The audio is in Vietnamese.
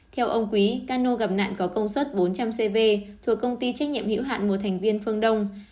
theo ông quý cano gặp nạn có công suất bốn trăm linh cv thuộc công ty trách nhiệm hữu hạn một thành viên phương đông